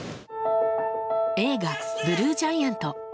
映画「ＢＬＵＥＧＩＡＮＴ」。